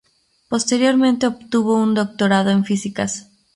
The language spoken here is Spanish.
Posteriormente obtuvo un doctorado en físicas.